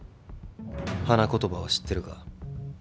花言葉は知ってるか？